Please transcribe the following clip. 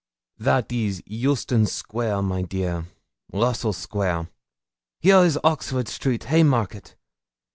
'That is Euston Square, my dear Russell Square. Here is Oxford Street Haymarket.